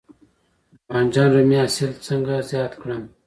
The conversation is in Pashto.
د بانجان رومي حاصل څنګه زیات کړم؟